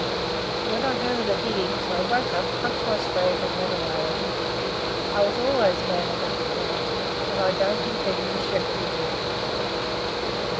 But when I heard of the diggings, I woke up, humped my swag, and ran away I was always man enough for that and I don't intend to shepherd again."